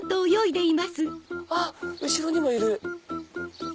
あっ後ろにもいる。